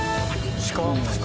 鹿？